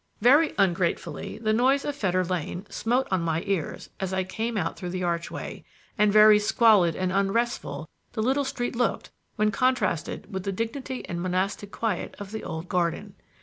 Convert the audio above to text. Very ungratefully the noise of Fetter Lane smote on my ears as I came out through the archway, and very squalid and unrestful the little street looked when contrasted with the dignity and monastic quiet of the old garden.